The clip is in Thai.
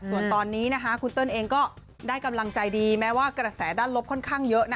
ส่วนตอนนี้นะคะคุณเติ้ลเองก็ได้กำลังใจดีแม้ว่ากระแสด้านลบค่อนข้างเยอะนะ